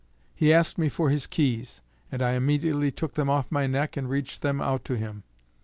He asked me for his keys, and I immediately took them off my neck and reached them out to him.